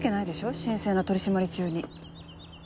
神聖な取り締まり中に。